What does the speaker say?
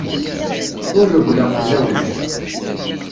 Ur rewwleɣ fell-awent.